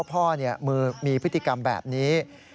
พ่อมีพฤติกรรมแบบนี้